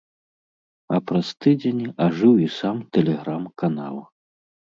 А праз тыдзень ажыў і сам тэлеграм-канал.